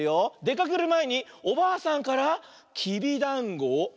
かけるまえにおばあさんからきびだんごを。